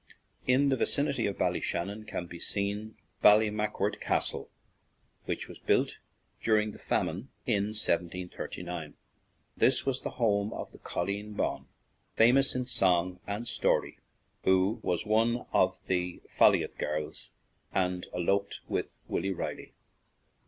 In the vicinity of Ballyshannon can be seen Ballymacward Castle, which was built during the famine of 1739. This was the home of the "Colleen Bawn," famous in song and story, who was one of the Ff olliott girls, and eloped with Willy Reilly.